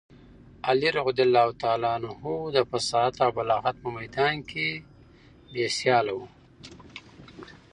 علي رض د فصاحت او بلاغت په میدان کې بې سیاله و.